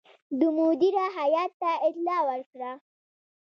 ده مدیره هیات ته اطلاع ورکړه.